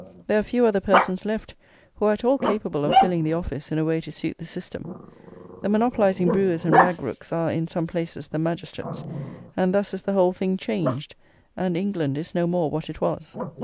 There are few other persons left who are at all capable of filling the office in a way to suit the system! The monopolizing brewers and rag rooks are, in some places, the "magistrates;" and thus is the whole thing changed, and England is no more what it was.